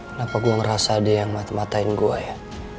kenapa gue ngerasa ada yang matematain gue ya